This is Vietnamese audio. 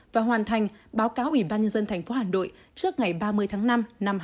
và hoàn thành báo cáo ủy ban nhân dân thành phố hà nội trước ngày ba mươi tháng năm năm hai nghìn hai mươi bốn